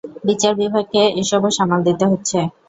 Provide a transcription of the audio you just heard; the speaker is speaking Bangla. বিচার বিভাগকে এসবও সামাল দিতে হচ্ছে।